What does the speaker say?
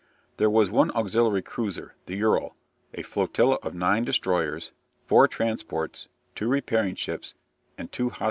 There was one auxiliary cruiser, the "Ural," a flotilla of nine destroyers, four transports, two repairing ships, and two hospital steamers.